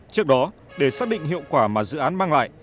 trước đó để xác định hiệu quả mà dự án mang lại